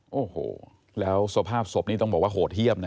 โอ้โหแล้วสภาพศพนี้ต้องบอกว่าโหดเยี่ยมนะ